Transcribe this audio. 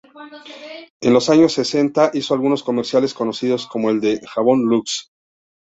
En los años sesenta hizo algunos comerciales conocidos como el del jabón Lux.